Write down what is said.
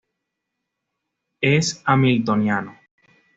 Es hamiltoniano.